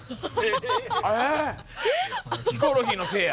ヒコロヒーのせいや。